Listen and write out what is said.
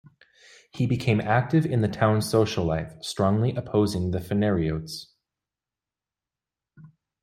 He became active in the town's social life, strongly opposing the phanariotes.